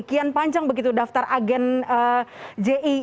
kian panjang begitu daftar agen ji